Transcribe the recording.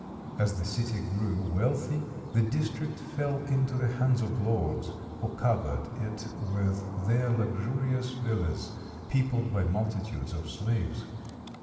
As the city grew wealthy the district fell into the hands of lords, who covered it with their luxurious villas, peopled by multitudes of slaves.